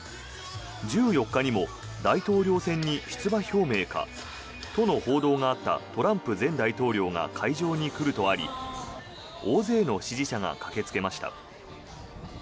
１４日にも大統領選に出馬表明かとの報道があったトランプ前大統領が会場に来るとあり大勢の支持者が駆けつけました。